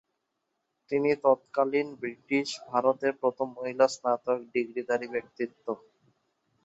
তিনি তৎকালীন ব্রিটিশ ভারতের প্রথম মহিলা স্নাতক ডিগ্রীধারী ব্যক্তিত্ব।